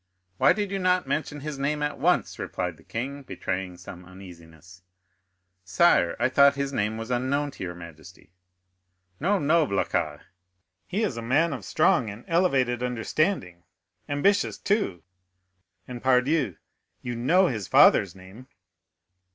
"Why did you not mention his name at once?" replied the king, betraying some uneasiness. "Sire, I thought his name was unknown to your majesty." "No, no, Blacas; he is a man of strong and elevated understanding, ambitious, too, and, pardieu! you know his father's name!"